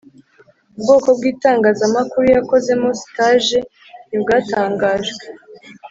ubwoko bw' itangazamakuru yakozemo sitaje ntibwatangajwe.